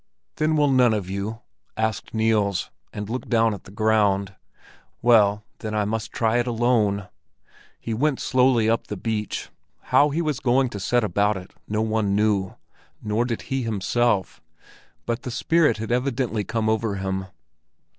"Then will none of you?" asked Niels, and looked down at the ground. "Well, then I must try it alone." He went slowly up the beach. How he was going to set about it no one knew, nor did he himself; but the spirit had evidently come over him.